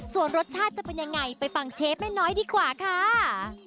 ส่วนรสชาติจะเป็นยังไงไปฟังเชฟแม่น้อยดีกว่าค่ะ